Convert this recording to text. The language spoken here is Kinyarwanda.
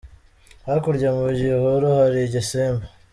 Hakurya mugihuru hari igisimba.